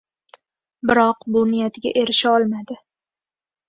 biroq bu niyatiga erisha olmadi.